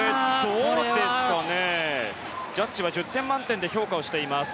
ジャッジは１０点満点で評価をしています。